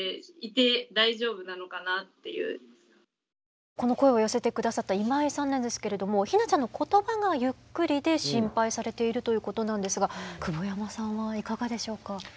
思ったのとこの声を寄せて下さった今井さんなんですけれどもひなちゃんのことばがゆっくりで心配されているということなんですが久保山さんはいかがでしょうか。